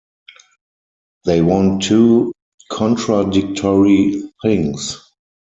They want two contradictory things.